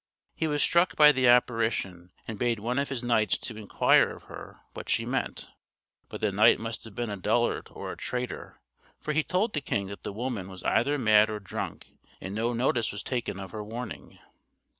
He was struck by the apparition, and bade one of his knights to inquire of her what she meant; but the knight must have been a dullard or a traitor, for he told the king that the woman was either mad or drunk, and no notice was taken of her warning.